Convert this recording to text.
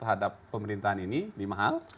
terhadap pemerintahan ini lima hal